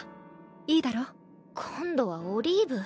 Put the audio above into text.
いいだろう？今度はオリーブ？